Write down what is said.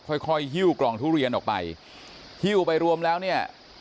ค่อยค่อยหิ้วกล่องทุเรียนออกไปหิ้วไปรวมแล้วเนี่ย